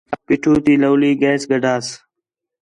پیٹھو تی لَولی گیس گڈھساں